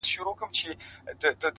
o اوس عجيبه جهان كي ژوند كومه ـ